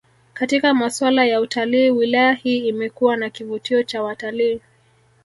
Katika maswala ya utalii wilaya hii imekuwa na kivutio cha watalii